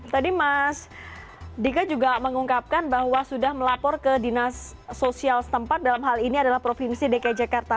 tadi mas dika juga mengungkapkan bahwa sudah melapor ke dinas sosial setempat dalam hal ini adalah provinsi dki jakarta